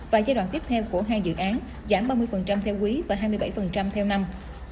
và giai đoạn tiếp theo của hai dự án giảm ba mươi theo quý và hai mươi bảy theo năm